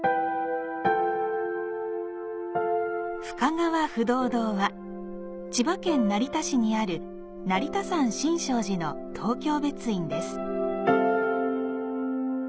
深川不動堂は、千葉県成田市にある成田山新勝寺の東京別院です。